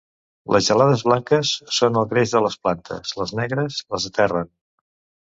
Les gelades blanques són el greix de les plantes; les negres, les aterren.